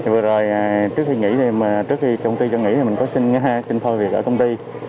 vừa rồi trước khi công ty cho nghỉ thì mình có xin thôi việc ở công ty